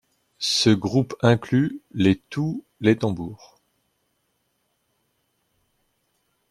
Ce groupe inclut les tous les tambours.